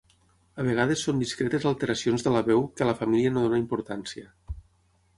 A vegades són discretes alteracions de la veu que a la família no dóna importància.